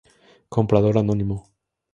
Comprador Anónimo.